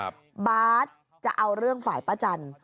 บาทจะเอาเรื่องฝ่ายป้าจัน